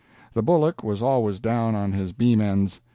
The bullock was always down on his beam ends.